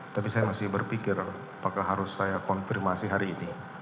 tapi saya masih berpikir apakah harus saya konfirmasi hari ini